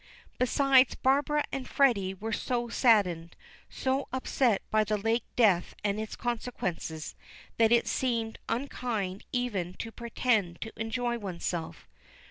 Besides, Barbara and Freddy were so saddened, so upset by the late death and its consequences, that it seemed unkind even to pretend to enjoy oneself.